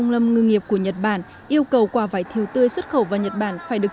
lý thứ hai bạn cần giảm tiền